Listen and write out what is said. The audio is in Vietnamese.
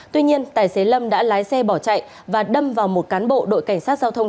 tuy nhiên tài xế lâm đã lái xe bỏ chạy và đâm vào một cán bộ đội cảnh sát giao thông